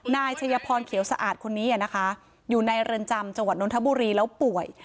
นายชัยพรเขียวสะอาดคนนี้นะคะอยู่ในเรือนจำจังหวัดนทบุรีแล้วป่วย